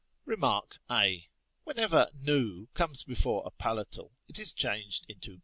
Rem. a Whenever v comes before a palatal, it is changed into y.